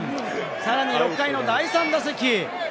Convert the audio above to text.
さらに６回の第３打席。